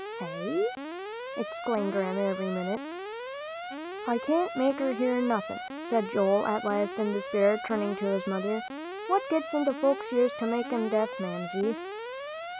"Hey?" exclaimed Grandma, every minute. "I can't make her hear nothin'," said Joel at last, in despair, turning to his mother. "What gets into folks' ears to make 'em deaf, Mamsie?"